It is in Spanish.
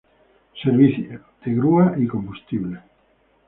Servicio de grúa y combustible.